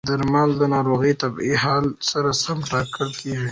درمل د ناروغ طبي حالت سره سم ټاکل کېږي.